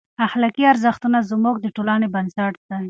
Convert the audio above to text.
اخلاقي ارزښتونه زموږ د ټولنې بنسټ دی.